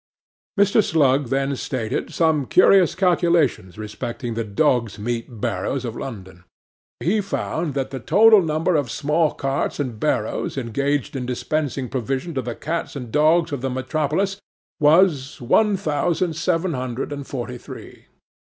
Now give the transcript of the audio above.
'MR. SLUG then stated some curious calculations respecting the dogs' meat barrows of London. He found that the total number of small carts and barrows engaged in dispensing provision to the cats and dogs of the metropolis was, one thousand seven hundred and forty three.